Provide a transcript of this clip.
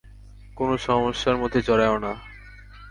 কোনো সমস্যার মধ্যে জড়ায়ো না।